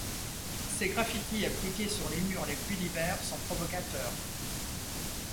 Ses graffitis appliqués sur les murs les plus divers sont provocateurs.